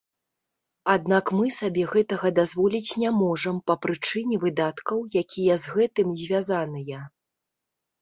Аднак мы сабе гэтага дазволіць не можам па прычыне выдаткаў, якія з гэтым звязаныя.